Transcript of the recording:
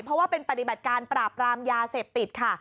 เพราะว่าเป็นปฏิบัติการปราบรามยาเสพติดค่ะ